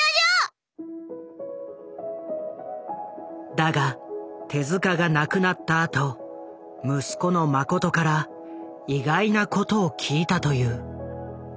だが手が亡くなったあと息子の眞から意外なことを聞いたという。